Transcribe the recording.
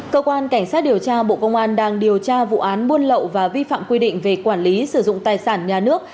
cơ quan cảnh sát điều tra bộ công an đang điều tra vụ án buôn lậu và vi phạm quy định về quản lý sử dụng tài sản nhà nước